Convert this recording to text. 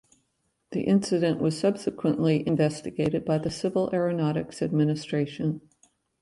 The incident was subsequently investigated by the Civil Aeronautics Administration.